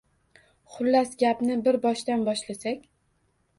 Xullas gapni bir boshdan boshlasak.!